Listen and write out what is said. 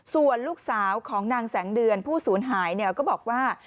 ส่วนลูกสาวของนางแสงเดือนผู้สูญหายก็บอกว่า